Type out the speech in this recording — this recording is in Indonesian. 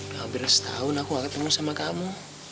gak berapa setahun aku gak ketemu sama kamu